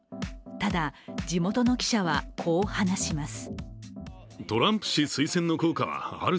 ただ、地元の記者はこう話します。